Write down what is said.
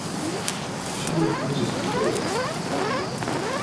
She refuses to go.